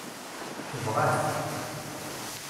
Tebɣa-t.